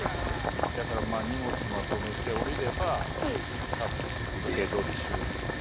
いやだからまあ荷物まとめて降りれば多分予定どおりシューッといくんですけど。